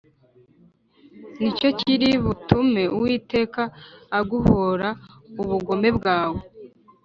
Ni cyo kiri butume Uwiteka aguhora ubugome bwawe